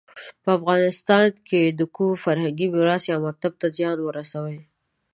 په افغانستان کې کوم فرهنګي میراث یا مکتب ته زیان ورسوي.